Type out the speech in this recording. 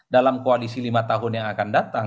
dalam koalisi lima tahun yang akan datang